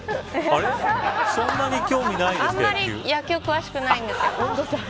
あまり野球詳しくないんで。